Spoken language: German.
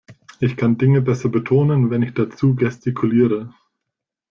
Ich kann Dinge besser betonen, wenn ich dazu gestikuliere.